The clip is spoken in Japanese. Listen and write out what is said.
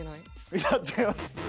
いや違います。